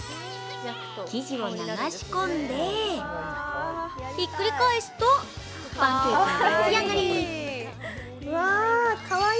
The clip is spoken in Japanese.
生地を流し込んで、ひっくり返すとパンケーキの出来上がり。